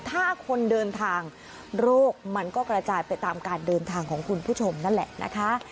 ถ้าคนเดินทางโรคมันก็กระจายไปตามการเดินทางของคุณผู้ชมนั่นแหละนะคะ